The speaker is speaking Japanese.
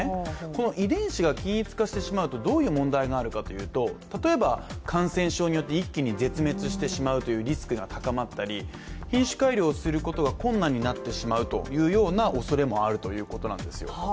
この遺伝子が均一化してしまうとどういう問題があるかというと例えば感染症によって一気に絶滅してしまうというリスクが高まったり品種改良することが困難になってしまうというようなおそれもあるということなんです。